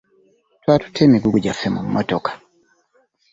Twatutte emigugu gyaffe mu motoka.